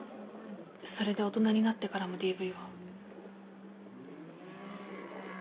それで大人になってからもＤＶを。